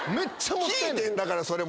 聞いてんだからそれも。